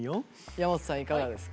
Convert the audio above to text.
大和さんいかがですか。